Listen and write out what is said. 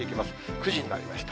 ９時になりました。